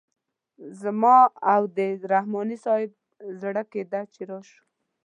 زما او د رحماني صیب زړه کیده چې راشو.